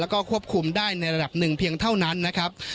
แล้วก็ควบคุมได้ในระดับหนึ่งเพียงเท่านั้นนะครับ